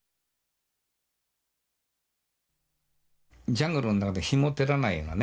ジャングルの中で日も照らないようなね